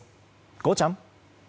ゴーちゃん。。